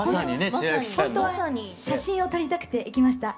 ほんとは写真を撮りたくて行きました。